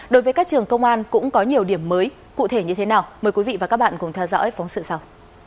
đối với các trường công an cũng có nhiều điểm mới cụ thể như thế nào mời quý vị và các bạn cùng theo dõi phóng sự sau